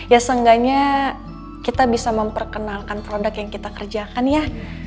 ya seenggaknya kita bisa memperkenalkan produk yang kita kerjakan ya